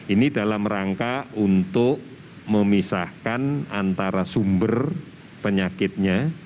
ini dalam rangka untuk memisahkan antara sumber penyakitnya